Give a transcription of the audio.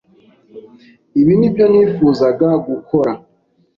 Ibi nibyo nifuzaga gukora.